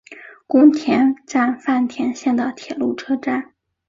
宫田站饭田线的铁路车站。